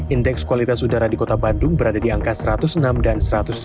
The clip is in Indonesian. indeks kualitas udara di kota bandung berada di angka satu ratus enam dan satu ratus tujuh puluh